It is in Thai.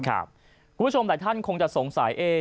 ครับคุณผู้ชมหลายท่านคงจะสงสัยเอ่ย